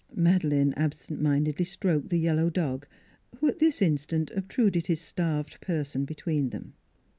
Madeleine absent mindedly stroked the yellow dog, who at this instant obtruded his starved per son between them.